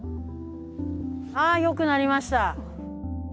ああよくなりました。